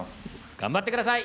頑張ってください。